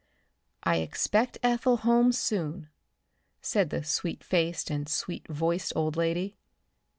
"I expect Ethel home soon," said the sweet faced and sweet voiced old lady.